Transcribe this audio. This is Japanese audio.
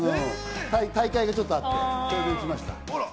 大会がちょっとあって、撃ちました。